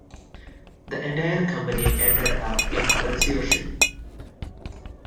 The entire company ended up in receivership.